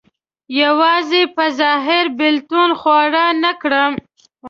یوازې په ظاهر بېلتون خوار نه کړم.